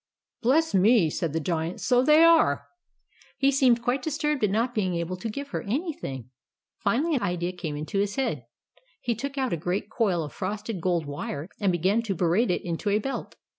"BLESS ME!" said the Giant, "SO THEY ARE." He seemed quite disturbed at not being able to give her anything. Finally an idea came into his head. He took out a great coil of frosted gold wire, and began to braid it into a belt.